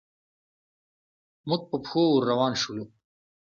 موږ په پښو ور روان شولو.